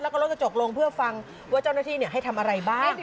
แล้วก็ลดกระจกลงเพื่อฟังว่าเจ้าหน้าที่ให้ทำอะไรบ้าง